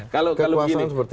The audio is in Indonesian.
kekuasaan seperti itu